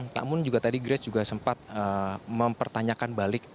namun juga tadi grace juga sempat mempertanyakan balik